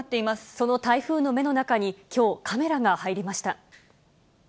その台風の目の中にきょう、カメラが入りました。